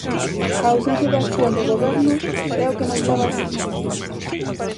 A ausencia de acción do Goberno é o que nos leva a esta situación.